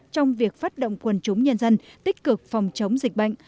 trong việc phát động quần chúng nhân dân tích cực phòng chống dịch bệnh